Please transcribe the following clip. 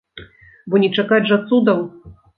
Бо не чакаць жа цудаў!